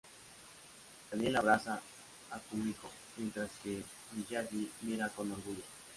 Daniel abraza a Kumiko, mientras que Miyagi mira con orgullo.